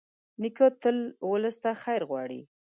نیکه تل ولس ته خیر غواړي.